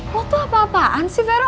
lo tuh apa apaan sih vero